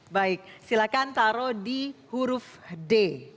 baik silakan taruh di huruf d